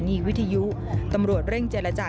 มีความรู้สึกว่า